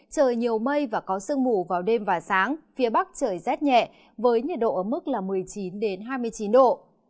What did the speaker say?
trời nhiều mây và có sương mù vào đêm và sáng phía bắc trời rét nhẹ với nhiệt độ ở mức một mươi chín hai mươi chín độ